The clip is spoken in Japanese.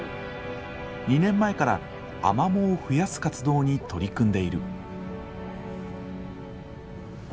２年前からアマモを増やす活動に取り組んでいる。